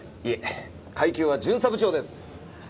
いえ階級は巡査部長です。